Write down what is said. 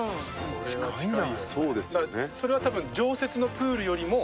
それは多分。